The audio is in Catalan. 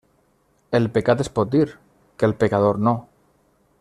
El pecat es pot dir, que el pecador no.